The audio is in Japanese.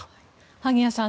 萩谷さん